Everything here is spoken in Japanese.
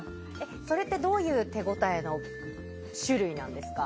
それってどういう手応えの種類何ですか？